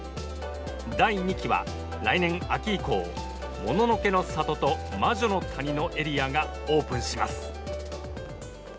第２期は来年秋以降、もののけの里と魔女の谷のエリアがオープンします。